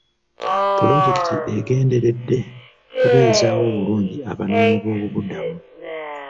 Pulojekiti egenderedde kubezaawo obulungi abanoonyi b'obubuddamu.